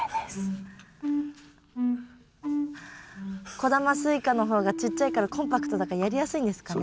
小玉スイカの方がちっちゃいからコンパクトだからやりやすいんですかね？